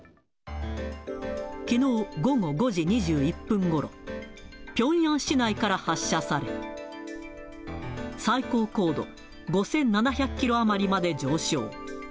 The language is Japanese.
きのう午後５時２１分ごろ、ピョンヤン市内から発射され、最高高度５７００キロ余りまで上昇。